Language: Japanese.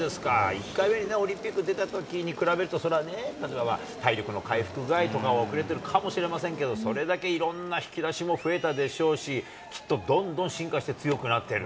１回目にオリンピックに出たときに比べると、そりゃね、体力の回復具合とかおくれてるかもしれませんけど、それだけいろんな引き出しも増えたでしょうし、きっとどんどん進化して、強くなってる。